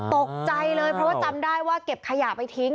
ตกใจเลยเพราะว่าจำได้ว่าเก็บขยะไปทิ้ง